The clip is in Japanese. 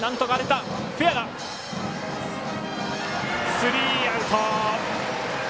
スリーアウト。